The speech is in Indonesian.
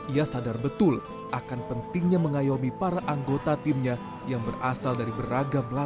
ia sadar betul akan pentingnya mengayomi para anggota timnya yang berasal dari beragam latar belakang